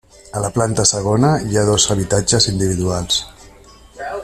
A la planta segona hi ha dos habitatges individuals.